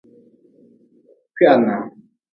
Kwihana.